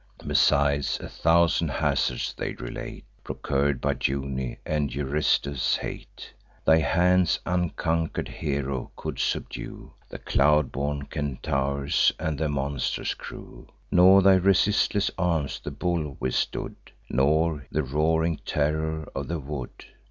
Besides, a thousand hazards they relate, Procur'd by Juno's and Eurystheus' hate: "Thy hands, unconquer'd hero, could subdue The cloud born Centaurs, and the monster crew: Nor thy resistless arm the bull withstood, Nor he, the roaring terror of the wood.